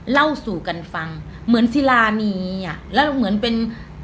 เล่าสู่กันฟังเหมือนศิลามีอ่ะแล้วเหมือนเป็น